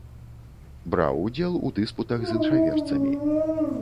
Браў удзел у дыспутах з іншаверцамі.